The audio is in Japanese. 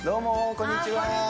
こんにちは。